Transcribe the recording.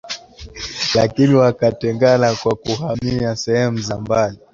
lakini wakatengana kwa kuhamia sehemu za mbali